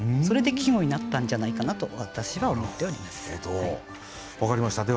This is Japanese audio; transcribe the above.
それで季語になったんじゃないかなと私は思っております。